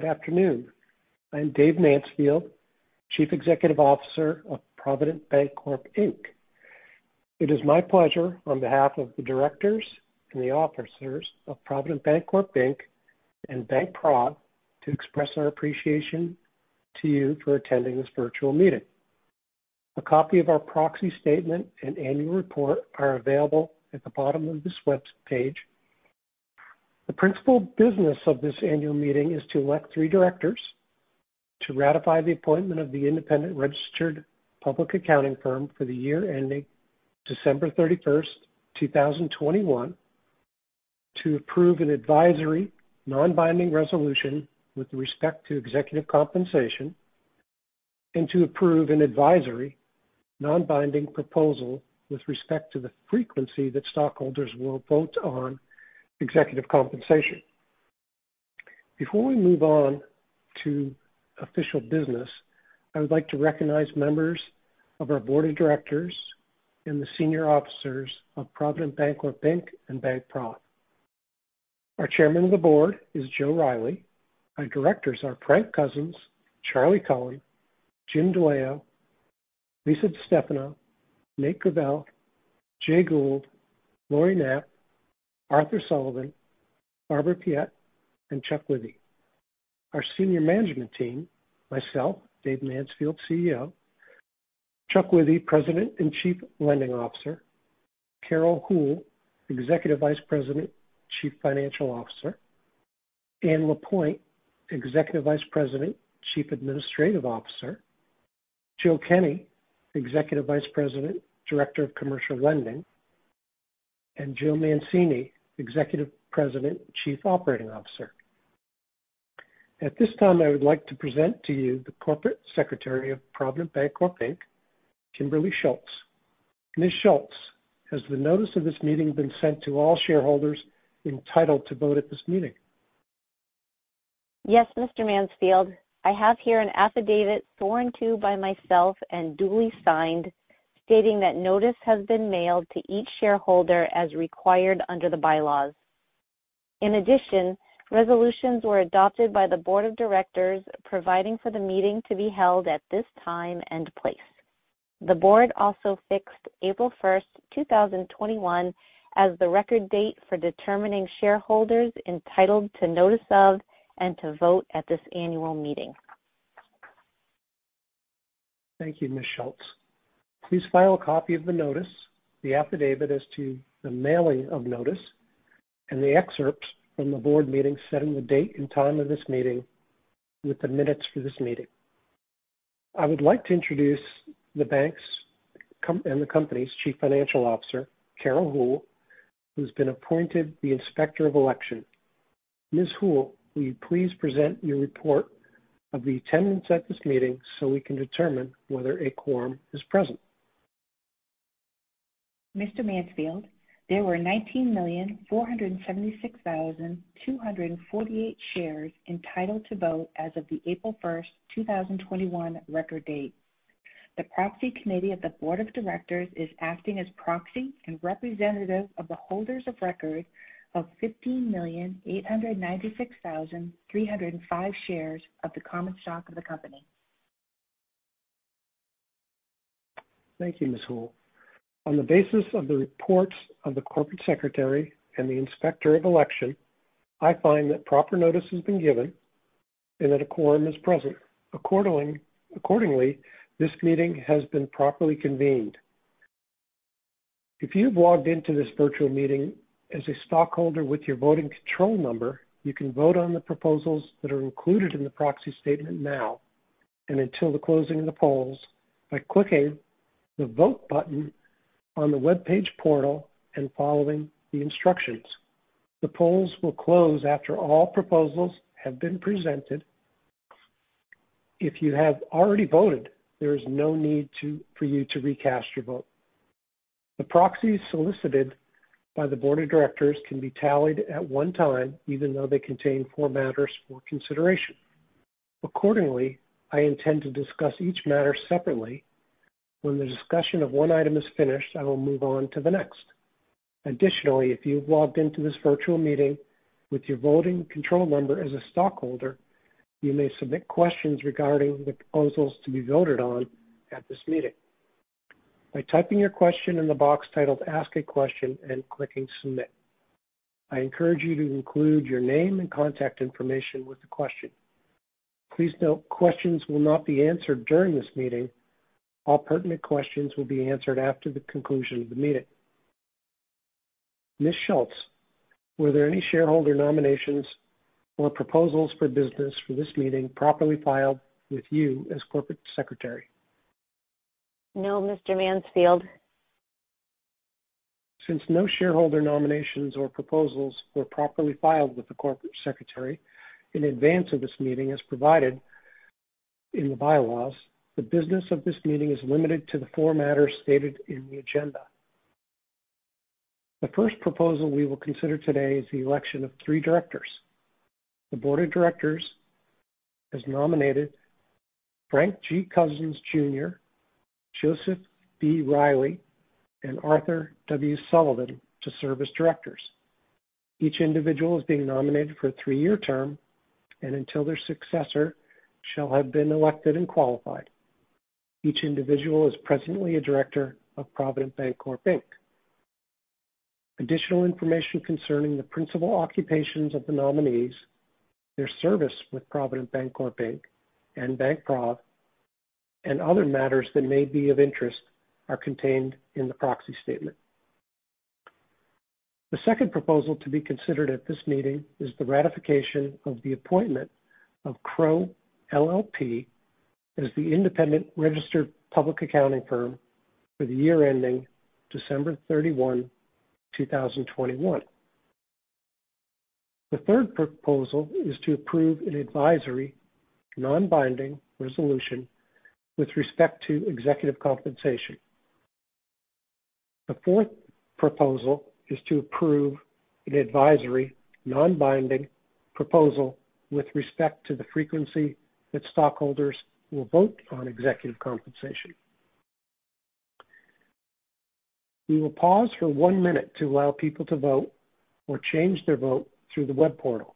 Good afternoon. I'm Dave Mansfield, Chief Executive Officer of Provident Bancorp, Inc. It is my pleasure on behalf of the directors and the officers of Provident Bancorp, Inc. and BankProv to express our appreciation to you for attending this virtual meeting. A copy of our proxy statement and annual report are available at the bottom of this webpage. The principal business of this annual meeting is to elect three directors, to ratify the appointment of the independent registered public accounting firm for the year ending December 31, 2021, to approve an advisory non-binding resolution with respect to executive compensation, and to approve an advisory non-binding proposal with respect to the frequency that stockholders will vote on executive compensation. Before we move on to official business, I would like to recognize members of our board of directors and the senior officers of Provident Bancorp, Inc. and BankProv. Our Chairman of the Board is Joseph Reilly. Our directors are Frank Cousins, Charlie Calley, James DeLeo, Lisa DeStefano, Nate Gravelle, Jay Gould, Laurie Knapp, Arthur Sullivan, Barbara Piette, and Charles Withee. Our senior management team, myself, David Mansfield, CEO. Charles Withee, President and Chief Lending Officer. Carol Houle, Executive Vice President, Chief Financial Officer. Anne Lapointe, Executive Vice President, Chief Administrative Officer. Joe Kenney, Executive Vice President, Director of Commercial Lending, and Joseph Mancini, Executive Vice President, Chief Operating Officer. At this time, I would like to present to you the Corporate Secretary of Provident Bancorp, Inc., Kimberly Scholtz. Ms. Scholtz, has the notice of this meeting been sent to all shareholders entitled to vote at this meeting? Yes, Mr. Mansfield. I have here an affidavit sworn to by myself and duly signed, stating that notice has been mailed to each shareholder as required under the bylaws. Resolutions were adopted by the board of directors providing for the meeting to be held at this time and place. The board also fixed April 1st, 2021, as the record date for determining shareholders entitled to notice of and to vote at this annual meeting. Thank you, Ms. Scholtz. Please file a copy of the notice, the affidavit as to the mailing of notice, and the excerpts from the board meeting setting the date and time of this meeting with the minutes for this meeting. I would like to introduce the bank's and the company's Chief Financial Officer, Carol Houle, who's been appointed the Inspector of Election. Ms. Houle, will you please present your report of the attendance at this meeting so we can determine whether a quorum is present? Mr. Mansfield, there were 19,476,248 shares entitled to vote as of the April 1st, 2021, record date. The Proxy Committee of the Board of Directors is acting as proxy and representative of the holders of record of 15,896,305 shares of the common stock of the company. Thank you, Ms. Houle. On the basis of the reports of the corporate secretary and the inspector of election, I find that proper notice has been given and that a quorum is present. Accordingly, this meeting has been properly convened. If you've logged into this virtual meeting as a stockholder with your voting control number, you can vote on the proposals that are included in the proxy statement now and until the closing of the polls by clicking the Vote button on the webpage portal and following the instructions. The polls will close after all proposals have been presented. If you have already voted, there is no need for you to recast your vote. The proxies solicited by the board of directors can be tallied at one time, even though they contain four matters for consideration. Accordingly, I intend to discuss each matter separately. When the discussion of one item is finished, I will move on to the next. Additionally, if you've logged into this virtual meeting with your voting control number as a stockholder, you may submit questions regarding the proposals to be voted on at this meeting by typing your question in the box titled Ask a Question and clicking Submit. I encourage you to include your name and contact information with the question. Please note questions will not be answered during this meeting. All pertinent questions will be answered after the conclusion of the meeting. Ms. Scholtz, were there any shareholder nominations or proposals for business for this meeting properly filed with you as Corporate Secretary? No, Mr. Mansfield. Since no shareholder nominations or proposals were properly filed with the corporate secretary in advance of this meeting, as provided in the bylaws, the business of this meeting is limited to the four matters stated in the agenda. The first proposal we will consider today is the election of three directors. The board of directors has nominated Frank G. Cousins Jr., Joseph B. Reilly, and Arthur W. Sullivan to serve as directors. Each individual is being nominated for a three-year term and until their successor shall have been elected and qualified. Each individual is presently a director of The Provident Bank. Additional information concerning the principal occupations of the nominees, their service with The Provident Bank and BankProv, and other matters that may be of interest are contained in the proxy statement. The second proposal to be considered at this meeting is the ratification of the appointment of Crowe LLP as the independent registered public accounting firm for the year ending December 31st, 2021. The third proposal is to approve an advisory, non-binding resolution with respect to executive compensation. The fourth proposal is to approve an advisory, non-binding proposal with respect to the frequency that stockholders will vote on executive compensation. We will pause for one minute to allow people to vote or change their vote through the web portal.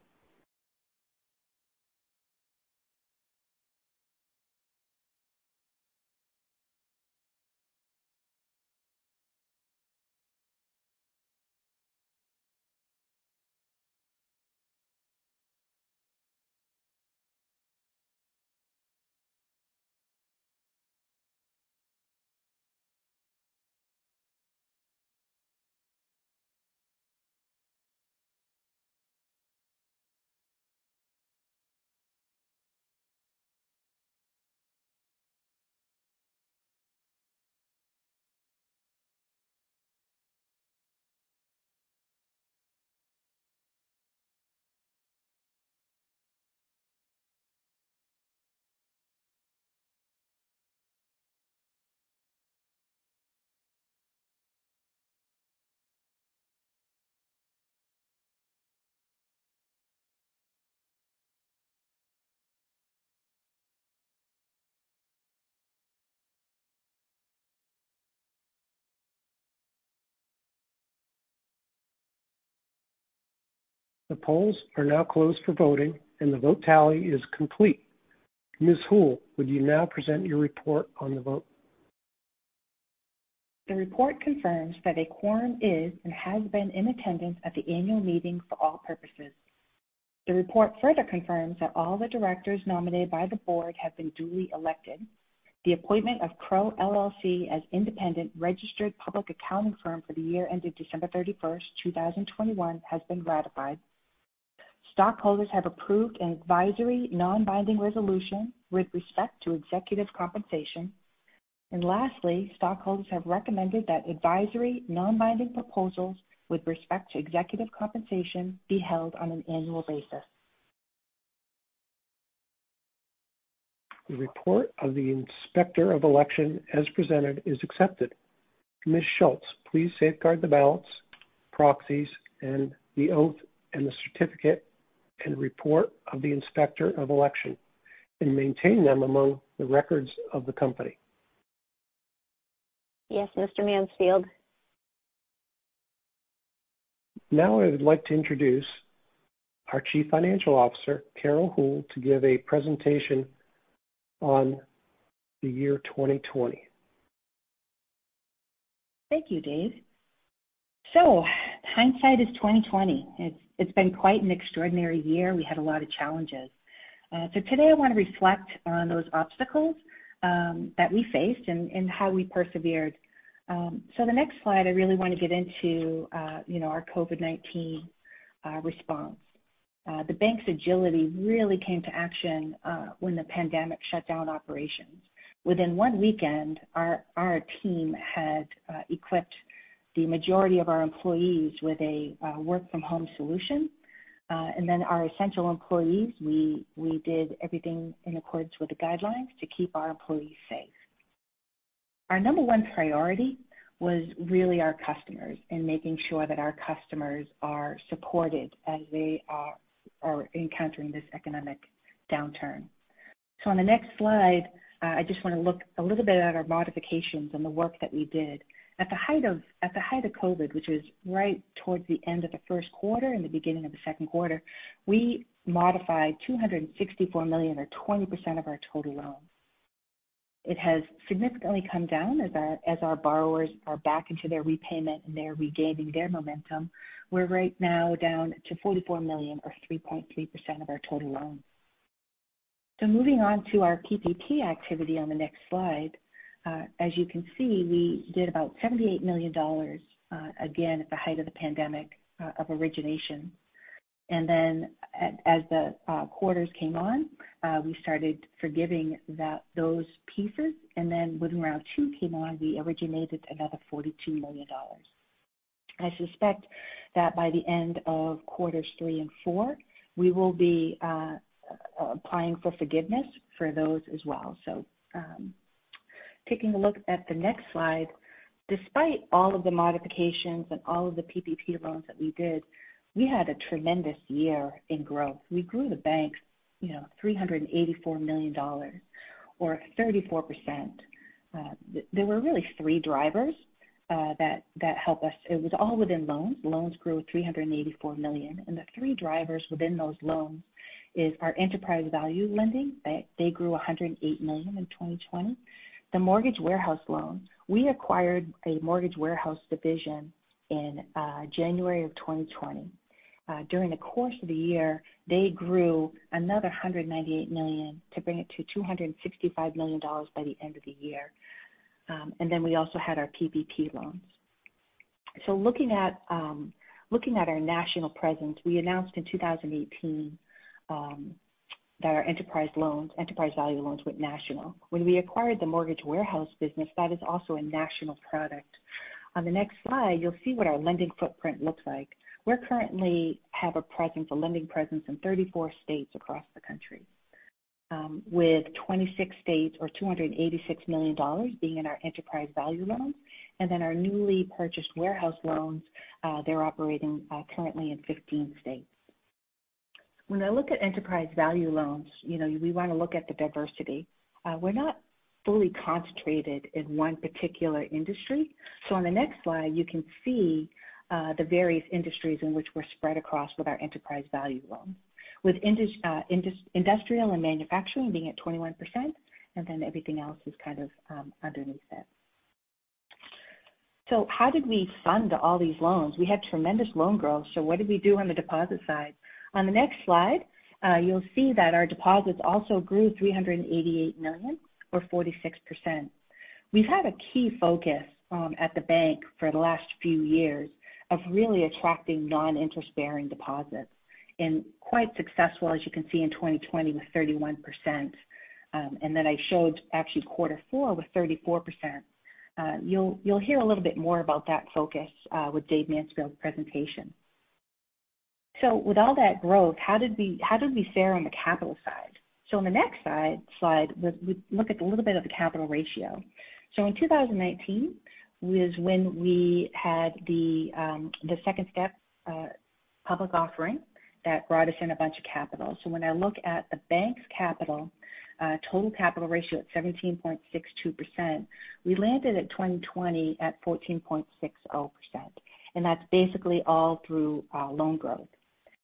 The polls are now closed for voting, and the vote tally is complete. Ms. Houle, would you now present your report on the vote? The report confirms that a quorum is and has been in attendance at the annual meeting for all purposes. The report further confirms that all the directors nominated by the board have been duly elected. The appointment of Crowe LLP as independent registered public accounting firm for the year ended December 31st, 2021, has been ratified. Stockholders have approved an advisory, non-binding resolution with respect to executive compensation. Lastly, stockholders have recommended that advisory, non-binding proposals with respect to executive compensation be held on an annual basis. The report of the Inspector of Election as presented is accepted. Ms. Scholtz, please safeguard the ballots, proxies, the oath, the certificate, and report of the Inspector of Election and maintain them among the records of the company. Yes, Mr. Mansfield. Now I would like to introduce our Chief Financial Officer, Carol Houle, to give a presentation on the year 2020. Thank you Dave. Hindsight is 2020. It's been quite an extraordinary year. We had a lot of challenges. Today I want to reflect on those obstacles that we faced and how we persevered. The next slide I really want to get into our COVID-19 response. The bank's agility really came to action when the pandemic shut down operations. Within one weekend, our team had equipped the majority of our employees with a work-from-home solution. Our essential employees, we did everything in accordance with the guidelines to keep our employees safe. Our number one priority was really our customers and making sure that our customers are supported as they are encountering this economic downturn. On the next slide, I just want to look a little bit at our modifications and the work that we did. At the height of COVID, which was right towards the end of the first quarter and the beginning of the second quarter, we modified $264 million or 20% of our total loans. It has significantly come down as our borrowers are back into their repayment and they're regaining their momentum. We're right now down to $44 million or 3.3% of our total loans. Moving on to our PPP activity on the next slide. As you can see, we did about $78 million, again, at the height of the pandemic of origination. As the quarters came on, we started forgiving those pieces, and when Round 2 came on, we originated another $42 million. I suspect that by the end of quarters three and four, we will be applying for forgiveness for those as well. Taking a look at the next slide, despite all of the modifications and all of the PPP loans that we did, we had a tremendous year in growth. We grew the bank $384 million, or 34%. There were really three drivers that helped us. It was all within loans. Loans grew $384 million. The three drivers within those loans is our Enterprise Value Lending. They grew $108 million in 2020. The Mortgage Warehouse Loans, we acquired a mortgage warehouse division in January of 2020. During the course of the year, they grew another $198 million to bring it to $265 million by the end of the year. We also had our PPP loans. Looking at our national presence, we announced in 2018 that our Enterprise Value Loans went national. When we acquired the mortgage warehouse business, that is also a national product. On the next slide, you'll see what our lending footprint looks like. We currently have a lending presence in 34 states across the country, with 26 states or $286 million being in our Enterprise Value Loans. Our newly purchased Warehouse Loans, they're operating currently in 16 states. When I look at Enterprise Value Loans, we want to look at the diversity. We're not fully concentrated in one particular industry. On the next slide, you can see the various industries in which we're spread across with our Enterprise Value Loans, with industrial and manufacturing being at 21%. Everything else is underneath that. How did we fund all these loans? We had tremendous loan growth. What did we do on the deposit side? On the next slide, you'll see that our deposits also grew $388 million, or 46%. We've had a key focus at the bank for the last few years of really attracting non-interest-bearing deposits, quite successful, as you can see, in 2020, with 31%. Then I showed actually quarter four was 34%. You'll hear a little bit more about that focus with David Mansfield's presentation. With all that growth, how did we fare on the capital side? On the next slide, we look at a little bit of a capital ratio. In 2019 was when we had the second step public offering that brought us in a bunch of capital. When I looked at the bank's capital, total capital ratio at 17.62%, we landed at 2020 at 14.60%. That's basically all through our loan growth.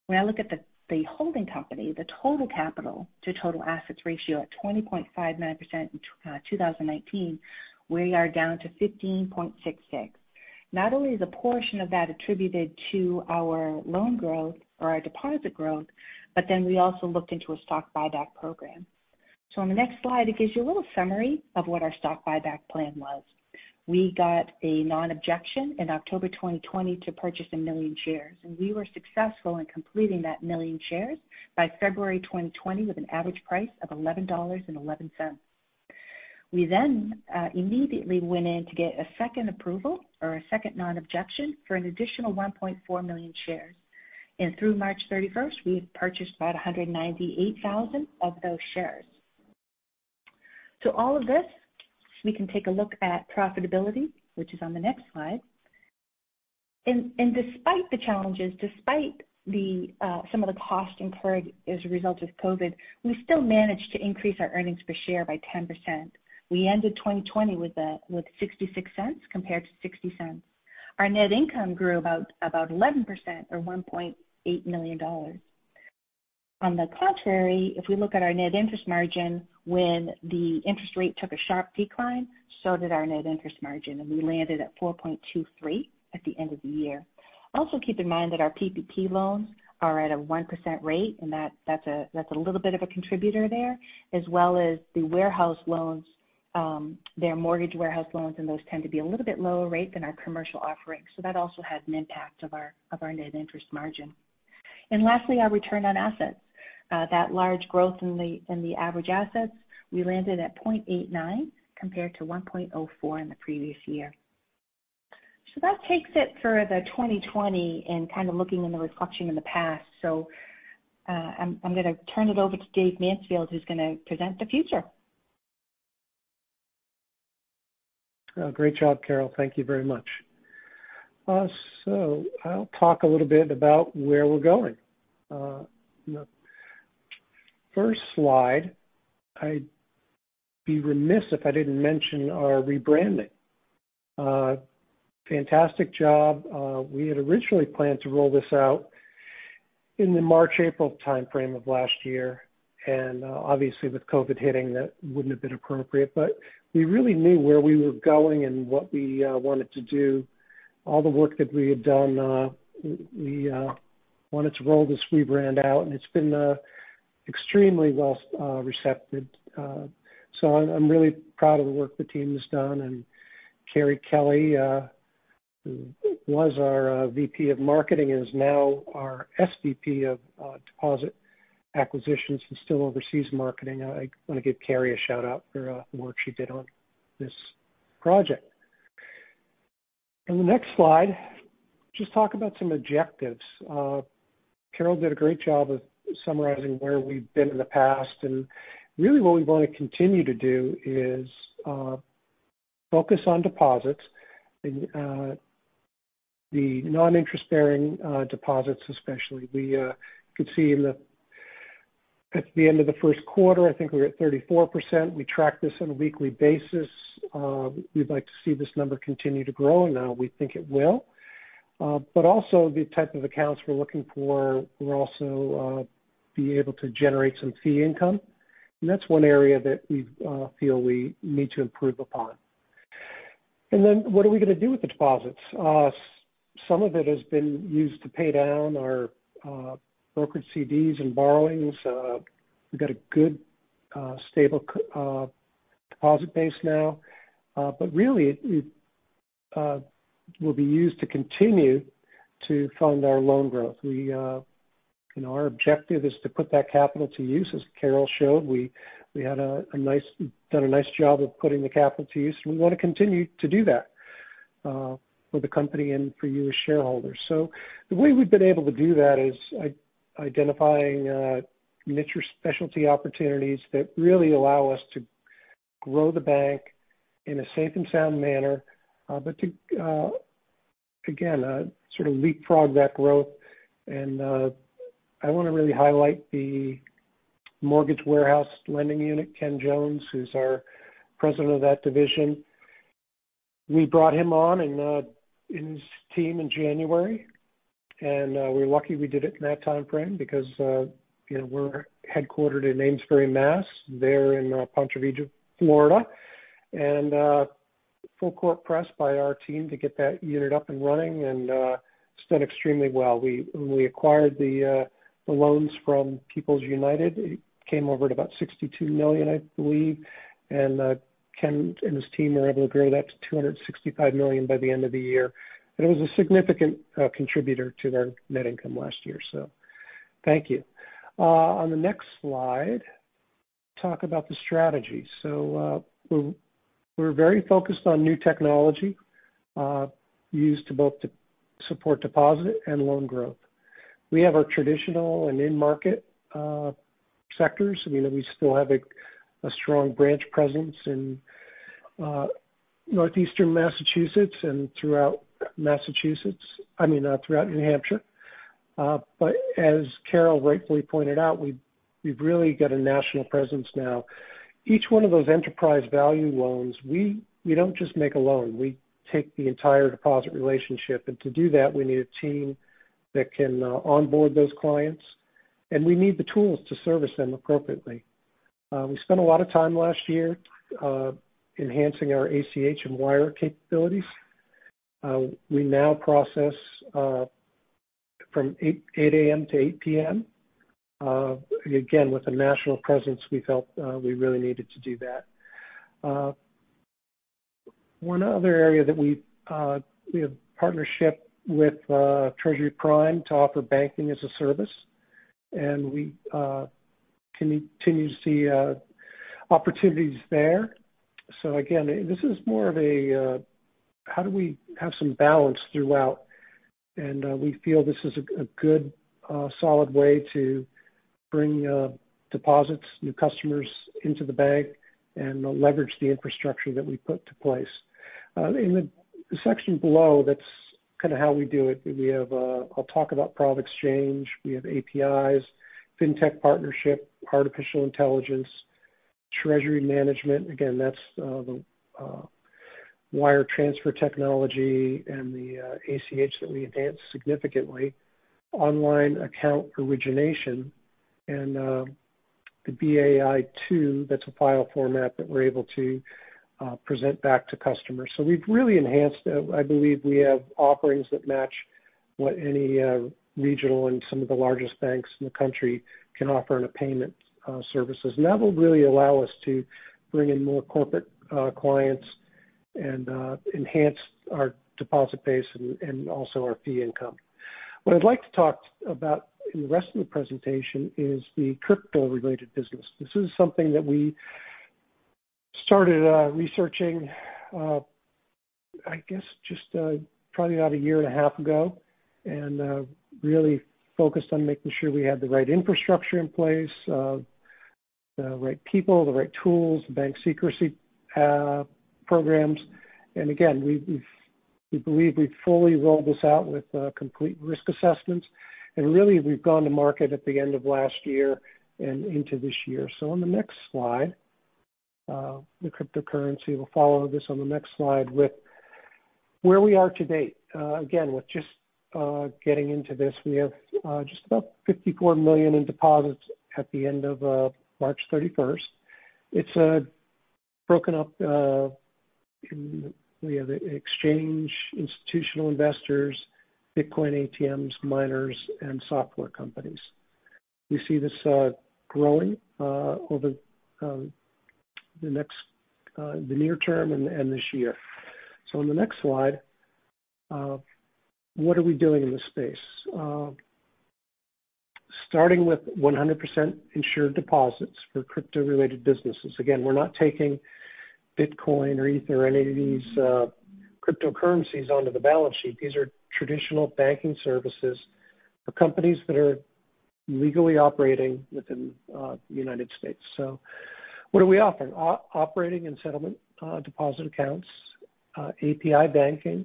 When I look at the holding company, the total capital to total assets ratio at 20.59% in 2019, we are down to 15.66%. Not only is a portion of that attributed to our loan growth or our deposit growth, we also looked into a stock buyback program. On the next slide, it gives you a little summary of what our stock buyback plan was. We got a non-objection in October 2020 to purchase 1 million shares, and we were successful in completing that 1 million shares by February 2020 with an average price of $11.11. We immediately went in to get a second approval or a second non-objection for an additional 1.4 million shares. Through March 31st, we've purchased about 198,000 of those shares. All of this, we can take a look at profitability, which is on the next slide. Despite the challenges, despite some of the costs incurred as a result of COVID, we still managed to increase our earnings per share by 10%. We ended 2020 with $0.66 compared to $0.60. Our net income grew about 11%, or $1.8 million. If we look at our net interest margin, when the interest rates took a sharp decline, so did our net interest margin, and we landed at 4.23% at the end of the year. Keep in mind that our PPP loans are at a 1% rate, and that's a little bit of a contributor there, as well as the Warehouse Loans, they're mortgage Warehouse Loans, and those tend to be a little bit lower rate than our commercial offerings. That also had an impact of our net interest margin. Lastly, our return on assets. That large growth in the average assets, we landed at 0.89% compared to 1.04% in the previous year. That takes it for the 2020 and kind of looking in reflection in the past. I'm going to turn it over to David Mansfield, who's going to present the future. Great job, Carol. Thank you very much. I'll talk a little bit about where we're going. First slide, I'd be remiss if I didn't mention our rebranding. Fantastic job. We had originally planned to roll this out in the March, April timeframe of last year, and obviously with COVID hitting, that wouldn't have been appropriate, but we really knew where we were going and what we wanted to do. All the work that we had done, we wanted to roll this rebrand out, and it's been extremely well-recepted. I'm really proud of the work the team has done, and Carie Kelly, who was our VP of marketing, is now our SVP of deposit acquisitions and still oversees marketing. I want to give Carie a shout-out for the work she did on this project. On the next slide, I'll just talk about some objectives. Carol did a great job of summarizing where we've been in the past, and really what we want to continue to do is focus on deposits, the non-interest-bearing deposits especially. We could see at the end of the first quarter, I think we were at 34%. We track this on a weekly basis. We'd like to see this number continue to grow, and now we think it will. Also the type of accounts we're looking for will also be able to generate some fee income. That's one area that we feel we need to improve upon. Then what are we going to do with the deposits? Some of it has been used to pay down our brokered CDs and borrowings. We've got a good, stable deposit base now. Really, it will be used to continue to fund our loan growth. Our objective is to put that capital to use, as Carol showed. We have done a nice job of putting the capital to use. We want to continue to do that for the company and for you as shareholders. The way we've been able to do that is identifying niche or specialty opportunities that really allow us to grow the bank in a safe and sound manner. To, again, sort of leapfrog that growth. I want to really highlight the mortgage warehouse lending unit. Ken Jones, who's our President of that division. We brought him on and his team in January. We were lucky we did it in that timeframe because we're headquartered in Amesbury, Mass., they're in Ponte Vedra, Florida. Full-court press by our team to get that unit up and running and it's done extremely well. When we acquired the loans from People's United Bank, it came over at about $62 million, I believe. Ken Jones and his team were able to grow that to $265 million by the end of the year. It was a significant contributor to their net income last year. Thank you. On the next slide, talk about the strategy. We're very focused on new technology used to both support deposit and loan growth. We have our traditional and in-market sectors. We still have a strong branch presence in northeastern Massachusetts and, I mean, throughout New Hampshire. As Carol Houle rightfully pointed out, we've really got a national presence now. Each one of those Enterprise Value Loans, we don't just make a loan. We take the entire deposit relationship. To do that, we need a team that can onboard those clients, and we need the tools to service them appropriately. We spent a lot of time last year enhancing our ACH and wire capabilities. We now process from 8:00 A.M. to 8:00 P.M. Again, with a national presence, we felt we really needed to do that. One other area that we have partnership with Treasury Prime to offer banking as a service, and we continue to see opportunities there. Again, this is more of a how do we have some balance throughout. We feel this is a good, solid way to bring deposits, new customers into the bank and leverage the infrastructure that we put to place. In the section below, that's kind of how we do it. I'll talk about ProvXchange. We have APIs, fintech partnership, artificial intelligence, treasury management. Again, that's the wire transfer technology and the ACH that we advanced significantly. Online account origination, and the BAI2, that's a file format that we're able to present back to customers. We've really enhanced I believe we have offerings that match what any regional and some of the largest banks in the country can offer in a payment services. That will really allow us to bring in more corporate clients and enhance our deposit base and also our fee income. What I'd like to talk about in the rest of the presentation is the crypto-related business. This is something that we started researching, I guess just probably about a year and a half ago, and really focused on making sure we had the right infrastructure in place, the right people, the right tools, the Bank Secrecy programs. We believe we've fully rolled this out with complete risk assessments. Really, we've gone to market at the end of last year and into this year. On the next slide, the cryptocurrency will follow this on the next slide with where we are to date. Again, with just getting into this, we have just about $54 million in deposits at the end of March 31st, 2021. It's broken up in, we have exchange, institutional investors, Bitcoin ATMs, miners, and software companies. We see this growing over the near term and this year. On the next slide, what are we doing in this space? Starting with 100% insured deposits for crypto-related businesses. Again, we're not taking Bitcoin or Ether or any of these cryptocurrencies onto the balance sheet. These are traditional banking services for companies that are legally operating within the United States. What are we offering? Operating and settlement deposit accounts, API banking.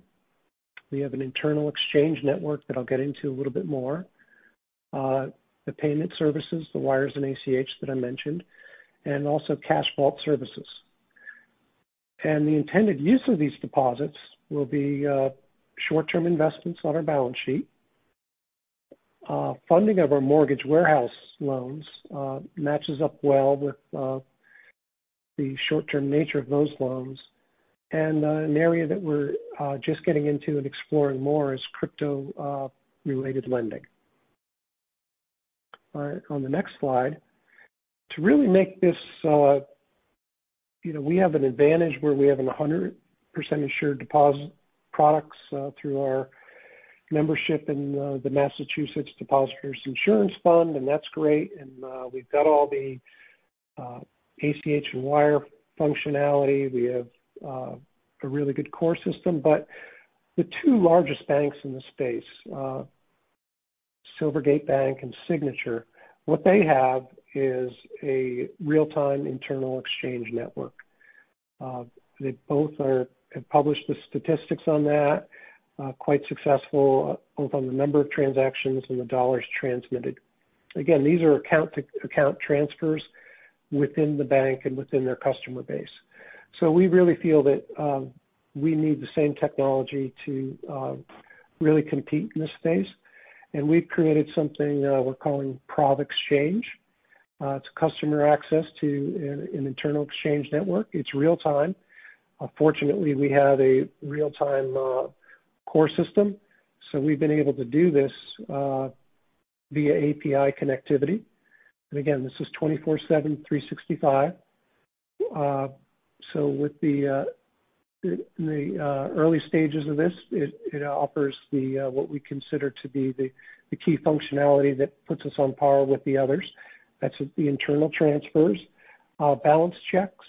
We have an internal exchange network that I'll get into a little bit more. The payment services, the wires and ACH that I mentioned, and also cash vault services. The intended use of these deposits will be short-term investments on our balance sheet. Funding of our Mortgage Warehouse Loans matches up well with the short-term nature of those loans. An area that we're just getting into and exploring more is crypto-related lending. All right, on the next slide. We have an advantage where we have 100% insured deposit products through our membership in the Massachusetts Depositors Insurance Fund, that's great, we've got all the ACH and wire functionality. We have a really good core system, but the two largest banks in the space, Silvergate Bank and Signature, what they have is a real-time internal exchange network. They both have published the statistics on that, quite successful, both on the number of transactions and the $ transmitted. Again, these are account-to-account transfers within the bank and within their customer base. We really feel that we need the same technology to really compete in this space. We've created something we're calling ProvXchange. It's customer access to an internal exchange network. It's real-time. Fortunately, we have a real-time core system, so we've been able to do this via API connectivity. Again, this is 24/7, 365. With the early stages of this, it offers what we consider to be the key functionality that puts us on par with the others. That's the internal transfers, balance checks,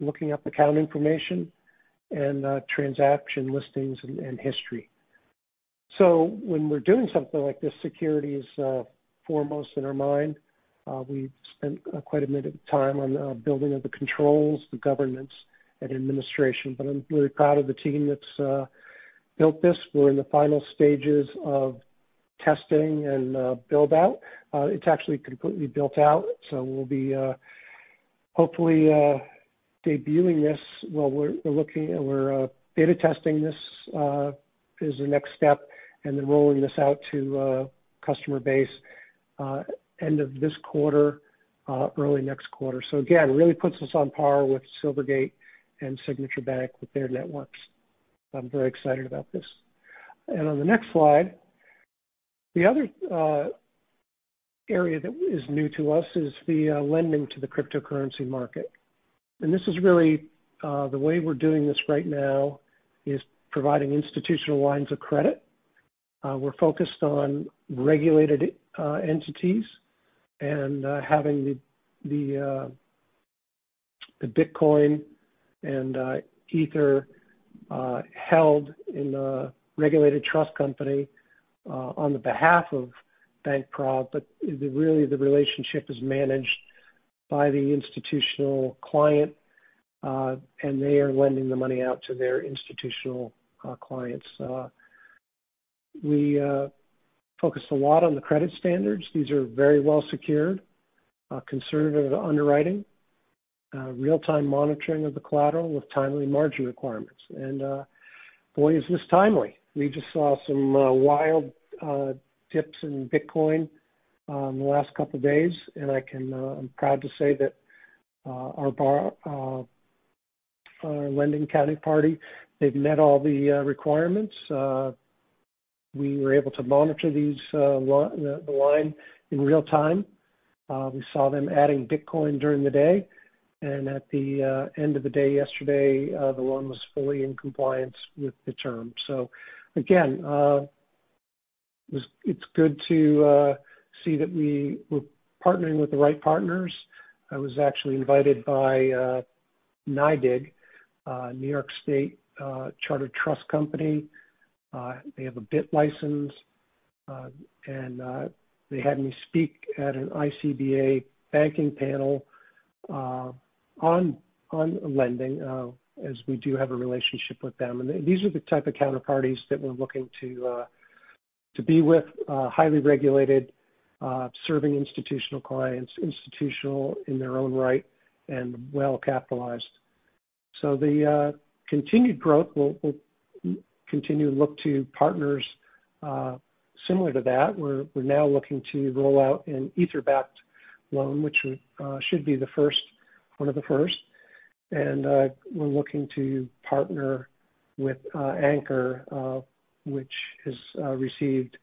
looking up account information, and transaction listings and history. When we're doing something like this, security is foremost in our mind. We've spent quite a bit of time on building of the controls, the governance, and administration. I'm really proud of the team that's built this. We're in the final stages of testing and build-out. It's actually completely built out, so we'll be hopefully debuting this. We're looking and we're beta testing this is the next step, and then rolling this out to customer base end of this quarter, early next quarter. Again, really puts us on par with Silvergate and Signature Bank with their networks. I'm very excited about this. On the next slide, the other area that is new to us is the lending to the cryptocurrency market. This is really the way we're doing this right now is providing institutional lines of credit. We're focused on regulated entities and having the Bitcoin and Ether held in a regulated trust company on the behalf of BankProv. Really, the relationship is managed by the institutional client, and they are lending the money out to their institutional clients. We focused a lot on the credit standards. These are very well-secured, conservative underwriting, real-time monitoring of the collateral with timely margin requirements. Boy, is this timely. We just saw some wild dips in Bitcoin in the last couple of days, and I'm proud to say that our lending counterparty, they've met all the requirements. We were able to monitor the line in real-time. We saw them adding Bitcoin during the day, and at the end of the day yesterday, the loan was fully in compliance with the terms. Again, it's good to see that we're partnering with the right partners. I was actually invited by NYDIG, a New York State chartered trust company. They have a BitLicense. They had me speak at an ICBA banking panel on lending, as we do have a relationship with them. These are the type of counterparties that we're looking to be with. Highly regulated, serving institutional clients, institutional in their own right, and well-capitalized. The continued growth, we'll continue to look to partners similar to that. We're now looking to roll out an Ether-backed loan, which should be one of the first. We're looking to partner with Anchorage, which has received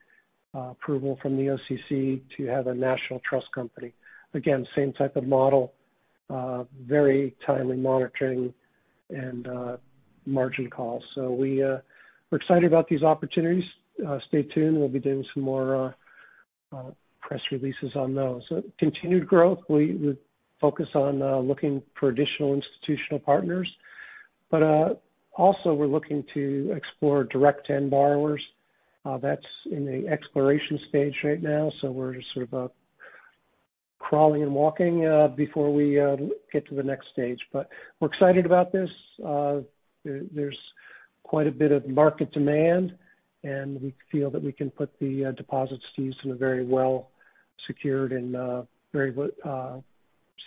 approval from the OCC to have a national trust company. Again, same type of model, very timely monitoring and margin calls. We're excited about these opportunities. Stay tuned. We'll be doing some more press releases on those. Continued growth, we focus on looking for additional institutional partners. We're looking to explore direct-end borrowers. That's in the exploration stage right now, so we're just sort of crawling and walking before we get to the next stage. We're excited about this. There's quite a bit of market demand, and we feel that we can put the deposits to use in a very well-secured and very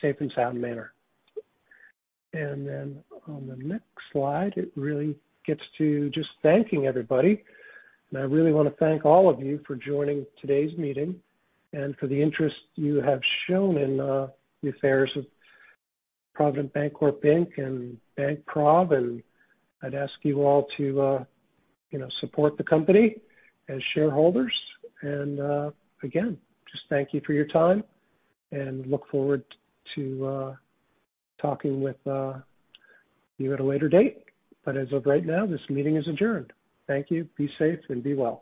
safe and sound manner. On the next slide, it really gets to just thanking everybody. I really want to thank all of you for joining today's meeting and for the interest you have shown in the affairs of Provident Bancorp, Inc. and BankProv, and I'd ask you all to support the company as shareholders. Again, just thank you for your time and look forward to talking with you at a later date. As of right now, this meeting is adjourned. Thank you. Be safe and be well.